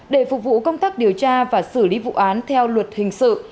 để phục vụ công tác điều tra và xử lý vụ án theo luật hình sự